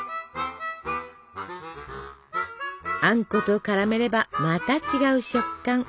あんこと絡めればまた違う食感。